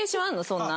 そんな。